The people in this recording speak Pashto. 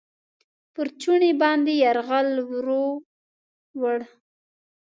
پر چوڼۍ باندې یرغل ورووړ.